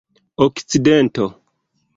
okcidento